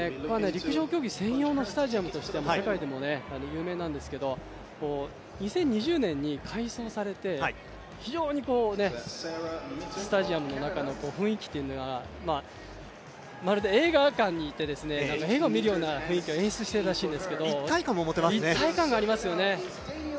陸上競技専用のスタジアムとして世界でも有名なんですけど２０２０年に改装されて非常にスタジアムの中の雰囲気というのがまるで映画館にいて、映画を見るような雰囲気を演出しているそうですけども、一体感がありますよね。